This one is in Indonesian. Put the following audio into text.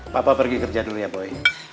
papa pergi kerja dulu ya boy